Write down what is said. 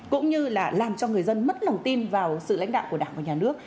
cũng như là làm cho người dân mất lòng tin vào sự lãnh đạo của đảng và nhà nước